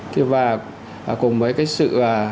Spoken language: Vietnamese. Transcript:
thế và cùng với cái sự